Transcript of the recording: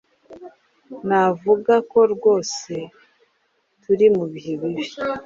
Navuga ko rwose turi mubihe bibi.